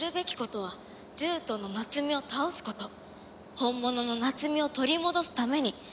本物の夏美を取り戻すために。